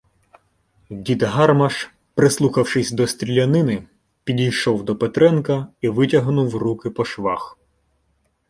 Дід Гармаш, прислухавшись до стрілянини, підійшов до Петренка і витягнув руки по швах: